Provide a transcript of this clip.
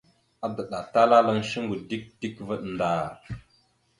Adəɗatalalaŋ shungo dik dik vvaɗ ndar.